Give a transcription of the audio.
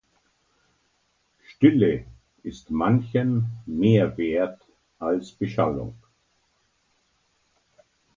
Stille ist manchem mehr wert als Beschallung.